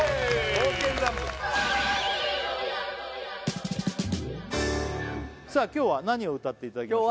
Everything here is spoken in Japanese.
「刀剣乱舞」さあ今日は何を歌っていただけますか？